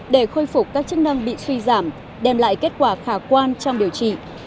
để khôi phục các chức năng bị suy giảm đem lại kết quả khả quan trong điều trị